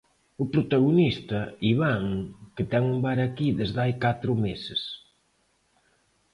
O protagonista, Iván, que ten un bar aquí desde hai catro meses.